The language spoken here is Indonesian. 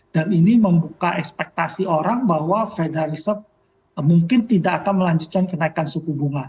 dan ini membuka ekspektasi orang bahwa feda reserve mungkin tidak akan melanjutkan kenaikan suku bunga